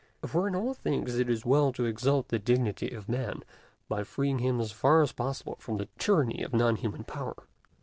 For in all things it is well to exalt the dignity of Man, by freeing him as far as possible from the tyranny of non human Power.